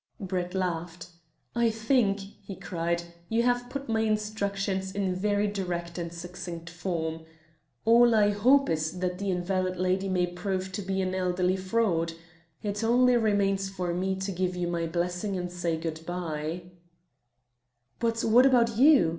Brett laughed. "I think," he cried, "you have put my instructions in very direct and succinct form. All I hope is that the invalid lady may prove to be an elderly fraud. It only remains for me to give you my blessing and say good bye." "But what about you?"